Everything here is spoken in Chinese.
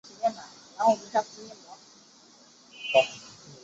咸丰七年攻破。